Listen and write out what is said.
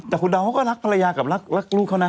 แต่คุณดาวเขาก็รักภรรยากับรักลูกเขานะ